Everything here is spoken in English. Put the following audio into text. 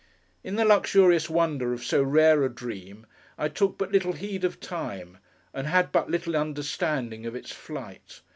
In the luxurious wonder of so rare a dream, I took but little heed of time, and had but little understanding of its flight.